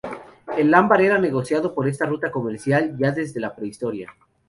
El ámbar era negociado por esta ruta comercial ya desde la Prehistoria.